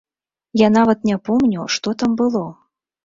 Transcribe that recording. Я нават не помню, што там было.